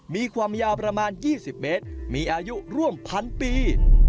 มีความยาวประมาณ๒๐เมตรมีอายุร่วมพันปี